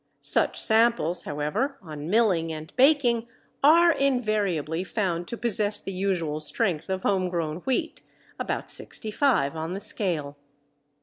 Such samples, however, on milling and baking are invariably found to possess the usual strength of home grown wheat, about 65 on the scale.